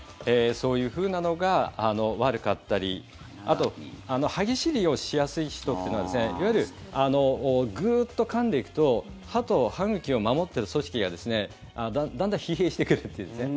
そういうふうなのが悪かったりあと歯ぎしりをしやすい人というのはいわゆるグッとかんでいくと歯と歯茎を守ってる組織がだんだん疲弊してくるんですね。